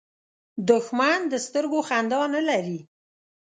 دښمن د سترګو خندا نه لري